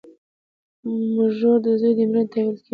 مږور د زوی مېرمني ته ويل کيږي.